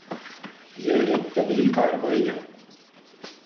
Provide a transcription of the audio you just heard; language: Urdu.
یہ ایک طویل کارروائی ہے۔